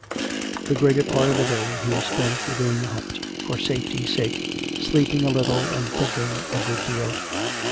The greater part of the day he spent within the hut, for safety's sake, sleeping a little, and thinking a good deal.